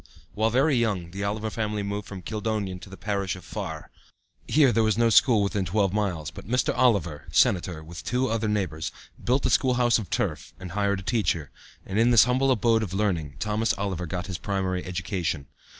While very young the Oliver family moved from Kildonan to the parish of Farr. Here there was no school within twelve miles, but Mr. Oliver, sen., with two other neighbors, built a school house of turf, and hired a teacher, and in this humble abode of learning Thomas Oliver got his primary education.